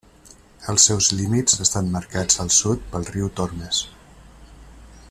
Els seus límits estan marcats al sud pel riu Tormes.